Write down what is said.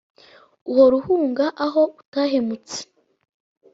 ugahora uhunga aho utahemutse !